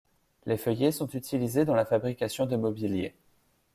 Les feuillets sont utilisés dans la fabrication de mobilier.